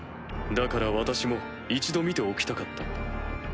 だから私も一度見ておきたかったのだ。